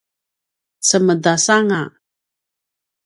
cemedas anga